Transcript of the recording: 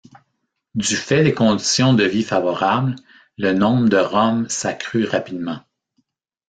Du fait des conditions de vie favorables, le nombre de Roms s'accrut rapidement.